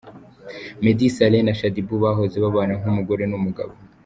Meddy Saleh na Shaddyboo bahoze babana nk'umugore n'umugabo.